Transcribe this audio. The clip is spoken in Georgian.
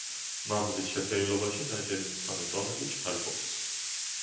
მამლის შეფერილობაში ნაჯერი მწვანე ტონები ჭარბობს.